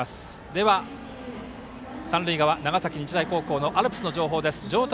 では三塁側、長崎日大高校のアルプスの情報条谷